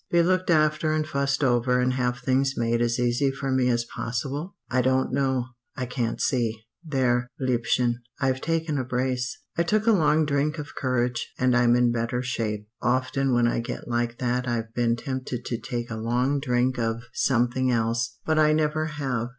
Be looked after and fussed over and have things made as easy for me as possible? I don't know I can't see "There, liebchen I've taken a brace. I took a long drink of courage, and I'm in better shape. Often when I get like that I've been tempted to take a long drink of something else but I never have.